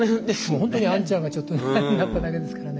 ほんとにあんちゃんがちょっとなっただけですからね。